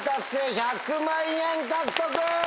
１００万円獲得！